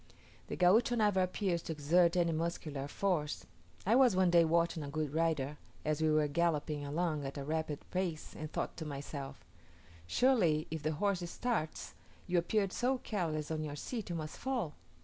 The Gaucho never appears to exert any muscular force. I was one day watching a good rider, as we were galloping along at a rapid pace, and thought to myself, "Surely if the horse starts, you appear so careless on your seat, you must fall."